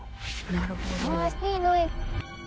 なるほど。